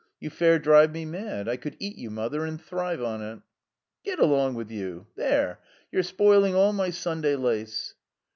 *' You fair drive me mad. I could eat you, Mother, and thrive on it." "Get along with you! There! You're spoiling all my Sunday lace."